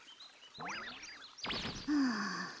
はあ。